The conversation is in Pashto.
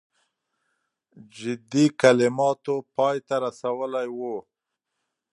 جدي کلماتو پای ته رسولی وو.